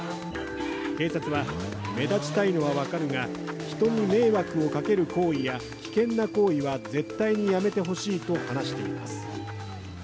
警察は、目立ちたいのは分かるが、人に迷惑をかける行為や危険な行為は絶対にやめてほしいと話しています。